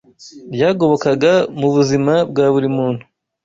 ryagobokaga mu buzima bwa buri muntu,